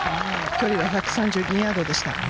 距離は１３２ヤードでした。